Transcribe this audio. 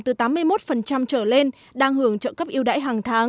từ tám mươi một trở lên đang hưởng trợ cấp yêu đãi hàng tháng